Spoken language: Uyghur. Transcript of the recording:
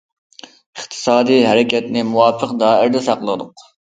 ئىقتىسادىي ھەرىكەتنى مۇۋاپىق دائىرىدە ساقلىدۇق.